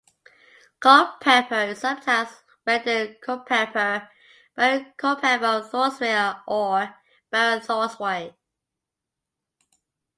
Colepeper is sometimes rendered "Culpeper", Baron Colepeper of Thoresway, or Baron Thoresway.